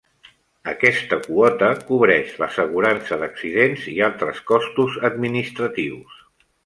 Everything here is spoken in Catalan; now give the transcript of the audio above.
Aquesta quota cobreix l'assegurança d'accidents i altres costos administratius.